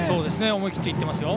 思い切って行ってますよ。